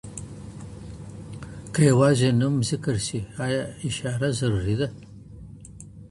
که یوازې نوم ذکر سي، ایا اشاره ضروري ده؟